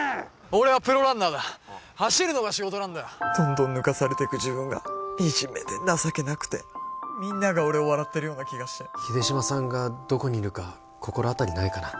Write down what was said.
俺はプロランナーだ走るのが仕事なんだよどんどん抜かされていく自分がみじめで情けなくてみんなが俺を笑ってるような気がして秀島さんがどこにいるか心当たりないかな？